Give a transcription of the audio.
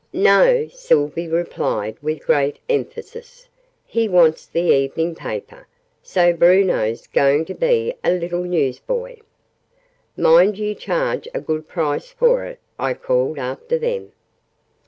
"No!" Sylvie replied with great emphasis. "He wants the evening paper. So Bruno's going to be a little news boy!" "Mind you charge a good price for it!" I called after them.